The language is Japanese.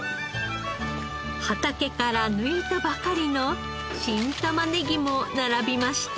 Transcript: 畑から抜いたばかりの新玉ねぎも並びました。